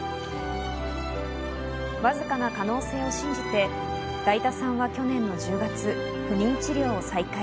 わずかな可能性を信じて、だいたさんは去年の１０月、不妊治療を再開。